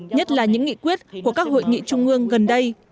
nhất là những nghị quyết của các hội nghị trung ương gần đây